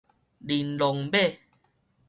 玲瑯馬